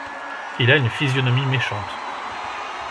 Il a une physionomie méchante